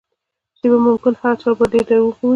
شپه ممکن د هغه چا لپاره ډېره دردونکې وي.